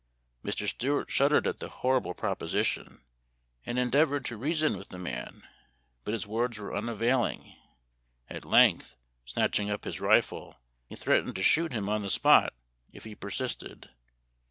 " Mr. Stuart shuddered at the horrible propo sition, and endeavored to reason with the man, but his words were unavailing. At length, snatching up his rifle, he threatened to shoot him on the spot if he persisted.